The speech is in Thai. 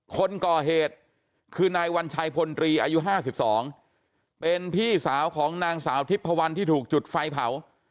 คนก่อเหตุคือนายวัญชัยพลตรีอายุ๕๒เป็นพี่สาวของนางสาวทิพพวันที่ถูกจุดไฟเผา